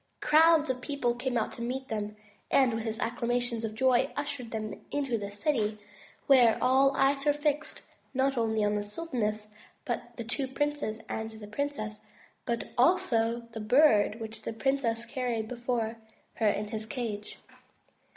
Crowds of people came out to meet them, and with acclamations of joy ushered them into the city, where all eyes were fixed, not only on the sultaness, the two princes, and the princess, but also upon the Bird which the princess carried before her in his cage.